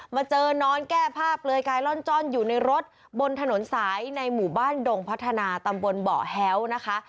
มาเจอนอนแก้ผ้าเปลือยกายล่อนจ้อนอยู่ในรถบนถนนสายในหมู่บ้านดงพัฒนาตำบลเบาะแฮ้วนะคะ